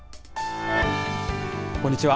こんにちは。